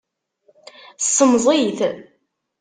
Ssemẓi-t.